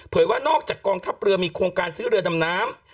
ว่านอกจากกองทัพเรือมีโครงการซื้อเรือดำน้ำ